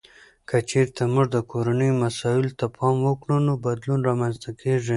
که چیرته موږ د کورنیو مسایلو ته پام وکړو، نو بدلون رامنځته کیږي.